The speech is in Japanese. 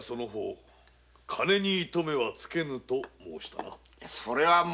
金に糸目はつけぬと申したな。